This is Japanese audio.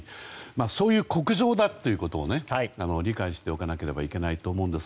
そういう国情だということを理解しておかなければいけないと思います。